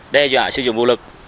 đe dọa sử dụng vũ lực